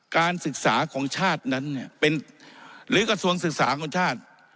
การศึกษาของชาตินั้นหรือกระทรวงศึกษาของชาติ